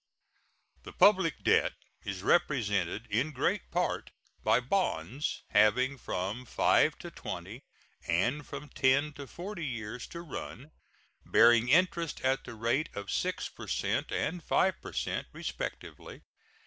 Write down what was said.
The public debt is represented in great part by bonds having from five to twenty and from ten to forty years to run, bearing interest at the rate of 6 per cent and 5 per cent, respectively.